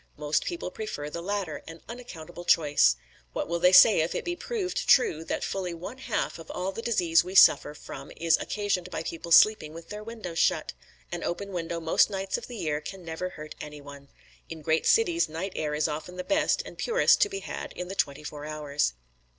Most people prefer the latter an unaccountable choice. What will they say if it be proved true that fully one half of all the disease we suffer from is occasioned by people sleeping with their windows shut? An open window most nights of the year can never hurt anyone. In great cities night air is often the best and purest to be had in the twenty four hours."